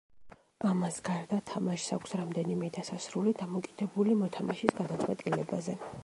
ამას გარდა თამაშს აქვს რამდენიმე დასასრული, დამოკიდებული მოთამაშის გადაწყვეტილებაზე.